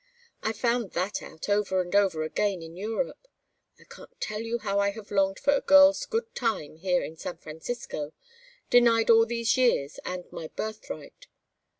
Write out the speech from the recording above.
I found that out over and over again in Europe. I can't tell you how I have longed for a girl's good time here in San Francisco denied all these years, and my birthright.